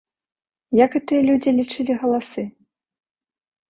Як гэтыя людзі лічылі галасы?